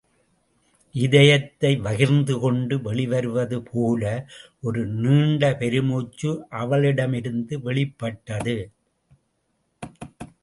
இதயத்தை வகிர்ந்துகொண்டு வெளிவருவதுபோல ஒரு நீண்ட பெருமூச்சு அவளிடமிருந்து வெளிப்பட்டது.